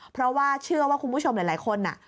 เพราะว่าเชื่อว่าคุณผู้ชมหลายคน